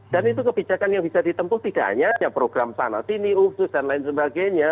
dan itu kebijakan yang bisa ditempuh tidak hanya program sanatini ufus dan lain sebagainya